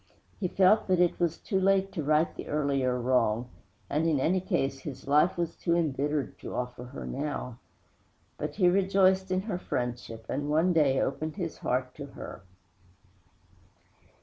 He felt that it was too late to right the earlier wrong; and, in any case, his life was too embittered to offer her now. But he rejoiced in her friendship, and, one day, opened his heart to her.